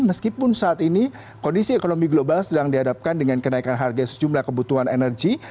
meskipun saat ini kondisi ekonomi global sedang dihadapkan dengan kenaikan harga sejumlah kebutuhan energi